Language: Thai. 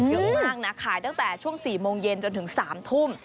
เยอะมากนะขายตั้งแต่ช่วง๔โมงเย็นจนถึง๓ทุ่ม